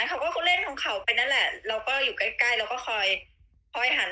เพราะว่าตรงนั้นจะเป็นซิงล้างจาน